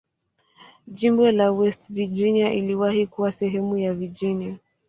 Jimbo la West Virginia iliwahi kuwa sehemu ya Virginia.